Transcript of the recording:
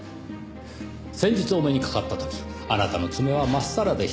先日お目にかかった時あなたの爪はまっさらでした。